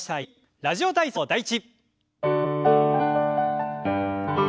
「ラジオ体操第１」。